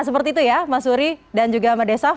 seperti itu ya mas suri dan juga md sof